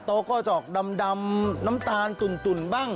ก็จะออกดำน้ำตาลตุ่นบ้าง